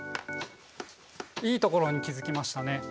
いいところに気付きましたね。